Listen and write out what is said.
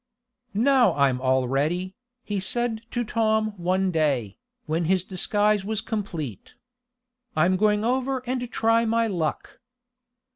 "Now I'm all ready," he said to Tom one day, when his disguise was complete. "I'm going over and try my luck."